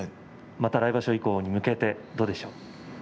また来場所以降に向けてどうでしょう？